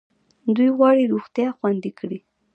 دوی غواړي روغتیا خوندي کړي.